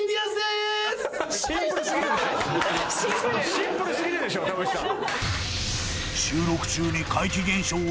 シンプルすぎるでしょ田渕さん